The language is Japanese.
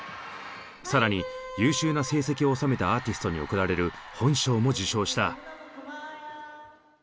更に優秀な成績を収めたアーティストに贈られる本賞も受賞した。